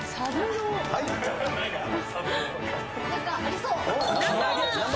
何かありそう。